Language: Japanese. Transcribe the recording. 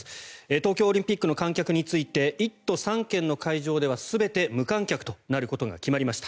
東京オリンピックの観客について１都３県の会場では全て無観客となることが決まりました。